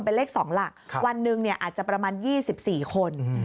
เป็นเลข๒หลักวันหนึ่งอาจจะประมาณ๒๔คน